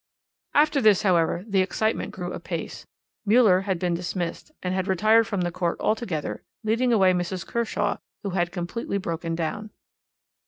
"After this, however, the excitement grew apace. Müller had been dismissed, and had retired from the court altogether, leading away Mrs. Kershaw, who had completely broken down.